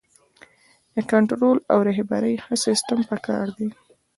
د کنټرول او رهبرۍ ښه سیستم پکار دی.